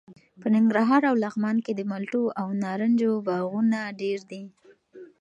په ننګرهار او لغمان کې د مالټو او نارنجو باغونه ډېر دي.